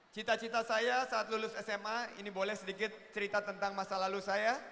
cita cita saya saat lulus sma ini boleh sedikit cerita tentang masa lalu saya